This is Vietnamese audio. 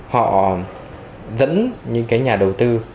họ dẫn những cái nhà đầu tư